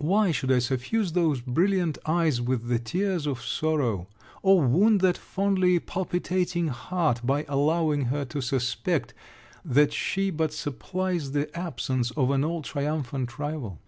Why should I suffuse those brilliant eyes with the tears of sorrow; or wound that fondly palpitating heart, by allowing her to suspect that she but supplies the absence of an all triumphant rival?